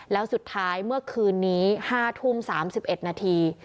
แล้วสุดท้ายเมื่อคืนนี้๕ทุ่ม๓๑นาที